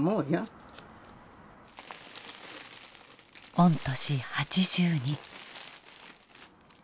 御年８２。